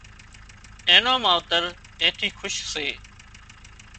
اين نان ماوتر اين ٿي کُش سي